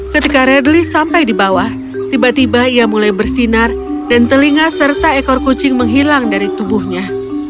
ketika radly sampai di bawah tiba tiba ia mulai bersinar dan telinga serta ekor kucing menghilang dari tubuhnya